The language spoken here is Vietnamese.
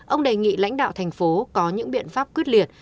ông đề nghị lãnh đạo thành phố có những biện pháp quyết liệt